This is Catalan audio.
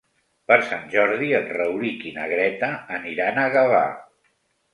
Per Sant Jordi en Rauric i na Greta aniran a Gavà.